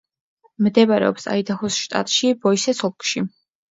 მდებარეობს აიდაჰოს შტატში, ბოისეს ოლქში.